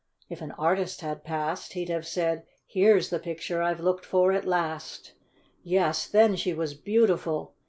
If an artist had passed, He'd have said, " Here's the picture I've looked foi at last!" Yes, then she was beautiful